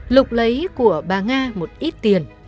lục lấy của bà nga một ít tiền